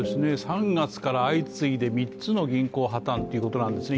３月から相次いで３つの銀行破たんということなんですね。